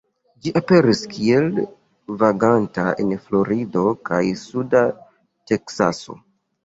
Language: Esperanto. Ĝi aperis kiel vaganta en Florido kaj suda Teksaso.